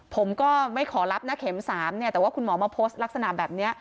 ผมก็ไม่ขอรับนะเข็ม๓เนี่ยแต่ว่าคุณหมอมาโพสต์ลักษณะแบบนี้